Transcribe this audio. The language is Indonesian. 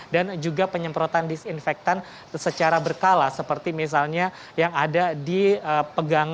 dan juga penyemprotan disinfektan secara berkala seperti misalnya yang ada di pegang